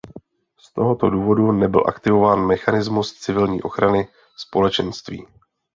Z tohoto důvodu nebyl aktivován mechanismus civilní ochrany Společenství.